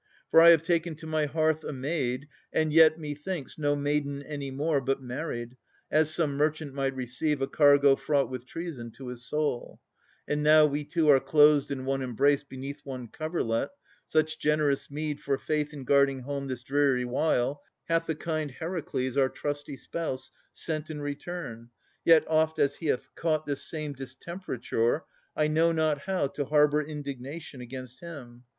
For I have taken to my hearth a maid, And yet, methinks, no maiden any more, Like some fond shipmaster, taking on board A cargo fraught with treason to my heart. And now we two are closed in one embrace Beneath one coverlet. Such generous meed For faith in guarding home this dreary while Hath the kind Heracles our trusty spouse, Sent in return! Yet, oft as he hath caught This same distemperature, I know not how To harbour indignation against him.